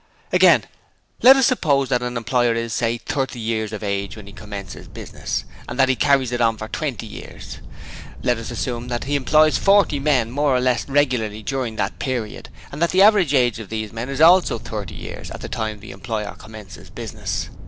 'Again, let us suppose that an employer is, say, thirty years of age when he commences business, and that he carries it on for twenty years. Let us assume that he employs forty men more or less regularly during that period and that the average age of these men is also thirty years at the time the employer commences business.